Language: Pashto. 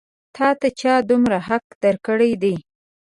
تا ته چا دومره حق درکړی دی؟